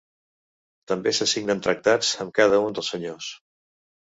També se signen tractats amb cada un dels senyors.